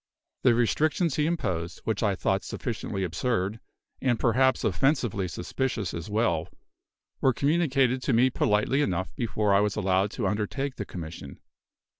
The restrictions he imposed, which I thought sufficiently absurd, and perhaps offensively suspicious as well, were communicated to me politely enough before I was allowed to undertake the commission.